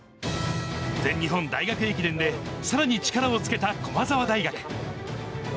全日本大学駅伝で、さらに力をつけた駒澤大学。